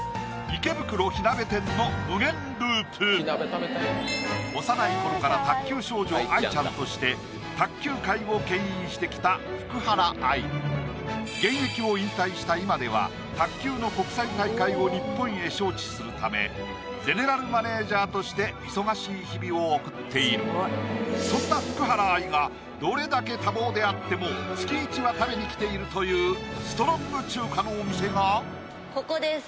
池袋・火鍋店の無限ループ幼い頃から卓球少女・愛ちゃんとして卓球界をけん引してきた福原愛現役を引退した今では卓球の国際大会を日本へ招致するためゼネラルマネージャーとして忙しい日々を送っているそんな福原愛がどれだけ多忙であっても月イチは食べに来ているというストロング中華のお店がここです